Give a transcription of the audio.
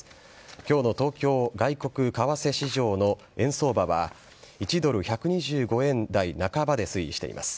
今日の東京外国為替市場の円相場は１ドル１２５円台半ばで推移しています。